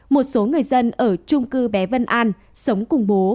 một số người dân ở trung cư bé vân an sống cùng bố